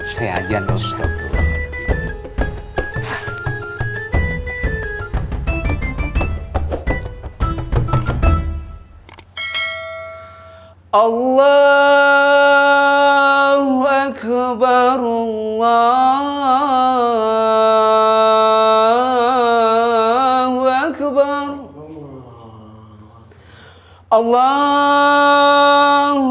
saya ajan ustadz